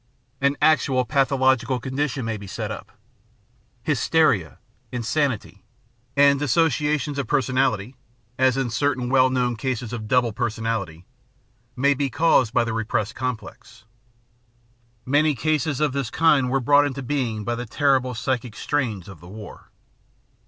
An actual pathological condition may be set up ; hysteria, insanity, and dis The Science of the Mind 563 sociations of personality, as in certain well known cases of douhle personality, may be caused by the repressed complex. Many cases of this kind were brought into being by the terrible psychic strains of the war.